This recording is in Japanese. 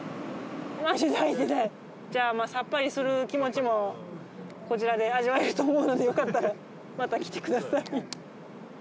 さっぱりする気持ちもこちらで味わえると思うので、よかったら、また来てください。